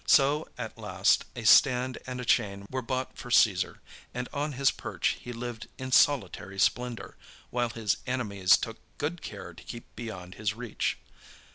So at last a stand and a chain were bought for Caesar, and on his perch he lived in solitary splendour, while his enemies took good care to keep beyond his reach.